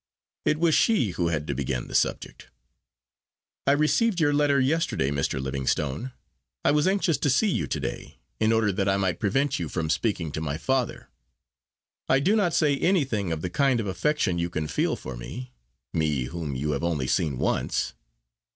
It was she who had to begin the subject. "I received your letter yesterday, Mr. Livingstone. I was anxious to see you to day, in order that I might prevent you from speaking to my father. I do not say anything of the kind of affection you can feel for me me, whom you have only seen once.